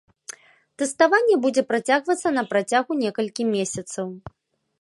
Тэставанне будзе працягвацца на працягу некалькіх месяцаў.